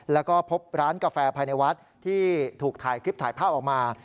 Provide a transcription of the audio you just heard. แล้วก็พบร้านกาแฟภายในวัดที่ถูกถ่ายคลิปถ่ายภาพออกมา